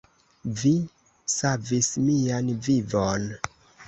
Vi savis mian vivon.